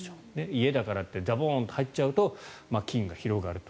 家だからってザボーンと入っちゃうと菌が広がると。